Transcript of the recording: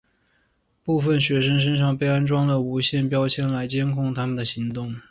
部分学生身上被安装了无线标签来监控他们的行动。